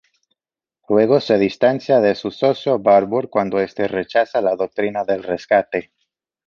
Luego se distancia de su socio Barbour cuando este rechaza la doctrina del Rescate.